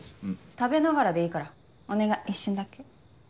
食べながらでいいからお願い一瞬だけ。